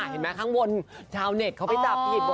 เห็นไหมข้างบนชาวเน็ตเขาไปจับผิด